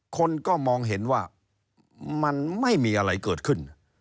คนก็มองเห็นว่ามันไม่มีอะไรเกิดขึ้น